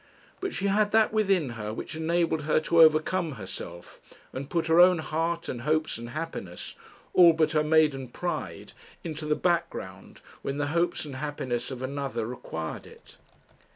But she had that within her which enabled her to overcome herself, and put her own heart, and hopes, and happiness all but her maiden pride into the background, when the hopes and happiness of another required it.